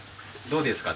そうですか。